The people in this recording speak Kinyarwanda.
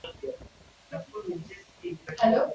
mu gutuma umubiri uhorana ubushyuhe